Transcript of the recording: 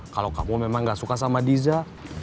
kalau kamu memang gak suka sama diza